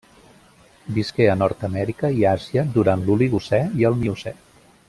Visqué a Nord-amèrica i Àsia durant l'Oligocè i el Miocè.